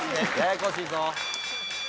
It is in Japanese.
ややこしいぞ。